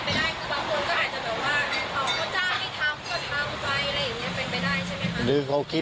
เพราะฉะนั้นมันก็เป็นไปได้